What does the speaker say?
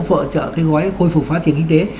hỗ trợ cái gói khôi phục phát triển kinh tế